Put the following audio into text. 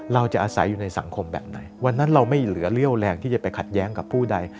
เราจะอาศัยอยู่ในสังคมแบบไหนวันนั้นเราไม่เหลือเรี่ยวแรงที่จะไปขัดแย้งกับผู้ใด